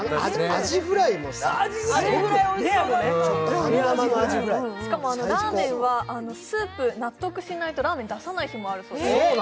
アジフライがすごくしかもラーメンはスープ、納得しないと出さない日もあるそうです。